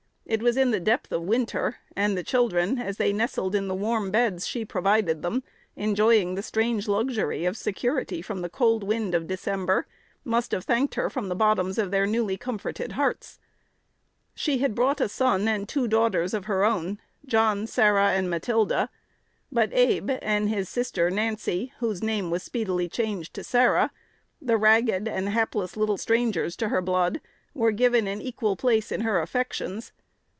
It was in the depth of winter; and the children, as they nestled in the warm beds she provided them, enjoying the strange luxury of security from the cold winds of December, must have thanked her from the bottoms of their newly comforted hearts. She had brought a son and two daughters of her own, John, Sarah, and Matilda; but Abe and his sister Nancy (whose name was speedily changed to Sarah), the ragged and hapless little strangers to her blood, were given an equal place in her affections.